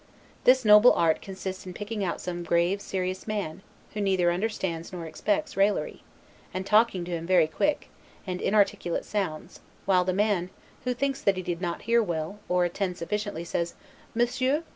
This noble art consists in picking out some grave, serious man, who neither understands nor expects, raillery, and talking to him very quick, and inarticulate sounds; while the man, who thinks that he did not hear well; or attend sufficiently, says, 'Monsieur?